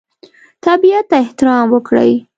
طبیعت ته احترام وکړئ.